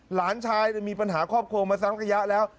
หลานชายมีปัญหาครอบครัวมาสักระยะแล้ว